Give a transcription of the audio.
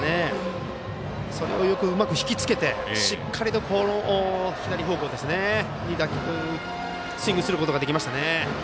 それをよくうまく引きつけてしっかりと左方向にスイングすることができました。